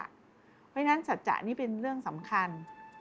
เพราะฉะนั้นสัจจะนี่เป็นเรื่องสำคัญ